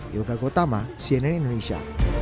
yuka gotama cnn indonesia